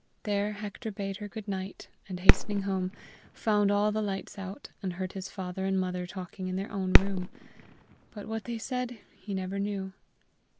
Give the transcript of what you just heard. There Hector bade her goodnight, and, hastening home, found all the lights out, and heard his father and mother talking in their own room; but what they said he never knew.